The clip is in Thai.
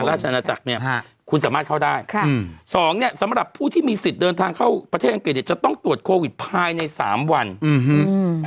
ราชนาจักรเนี่ยคุณสามารถเข้าได้ค่ะอืมสองเนี้ยสำหรับผู้ที่มีสิทธิ์เดินทางเข้าประเทศอังกฤษเนี่ยจะต้องตรวจโควิดภายในสามวันอืม